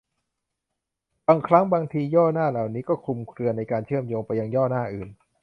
บางครั้งบางที ย่อหน้าเหล่านี้ก็คลุมเครือในการเชื่อมโยงไปยังย่อหน้าอื่น